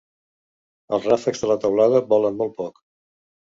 Els ràfecs de la teulada volen mot poc.